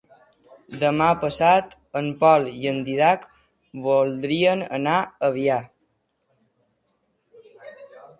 Demà passat en Pol i en Dídac voldrien anar a Avià.